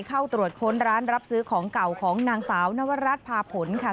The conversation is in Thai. เข้าตรวจค้นร้านรับซื้อของเก่าของนางสาวนวรัฐพาผลค่ะ